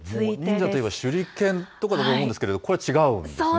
忍者といえば、手裏剣とかと思うんですけれども、これ、違うんですね。